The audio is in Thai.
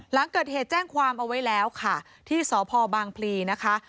หลังเกิดเหตุแจ้งความเอาไว้แล้วค่ะที่สพบางพลีนะคะ